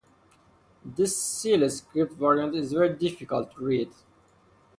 This seal script variant is very difficult to read.